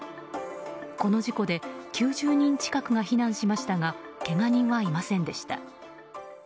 この事故で９０人近くが避難しましたがけが人はいませんでした。